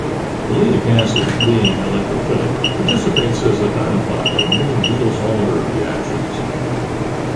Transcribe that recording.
Maleic acid, being electrophilic, participates as a dienophile in many Diels-Alder reactions.